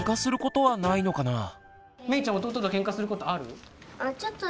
めいちゃん弟とケンカすることある？